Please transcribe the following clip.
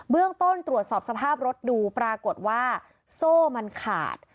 เรื่องต้นตรวจสอบสภาพรถดูปรากฏว่าโซ่มันขาด